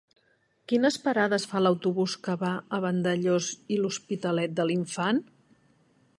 Quines parades fa l'autobús que va a Vandellòs i l'Hospitalet de l'Infant?